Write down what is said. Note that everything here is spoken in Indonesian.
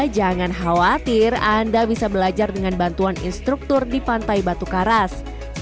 jangan khawatir anda bisa belajar dengan bantuan instruktur di pantai batu karas